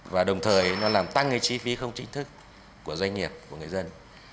và đồng thời nó làm tăng cái chi phí không chính thức của doanh nghiệp của người dân